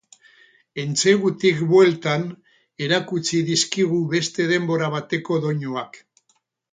Entsegutik bueltan erakutsi dizkigu beste denbora bateko doinuak.